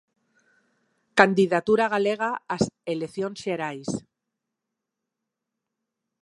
Candidatura Galega ás eleccións xerais.